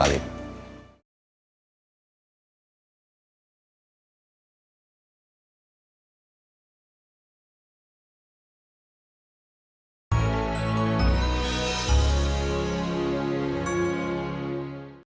apakah itu otet